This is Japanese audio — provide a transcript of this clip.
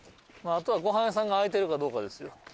あとはごはん屋さんが開いてるかどうかですよ。